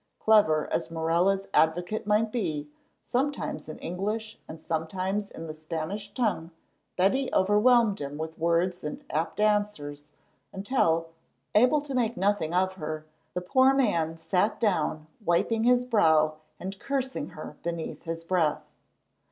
Clever as Morella's advocate might be, sometimes in English and sometimes in the Spanish tongue, Betty overwhelmed him with words and apt answers, until, able to make nothing of her, the poor man sat down wiping his brow and cursing her beneath his breath.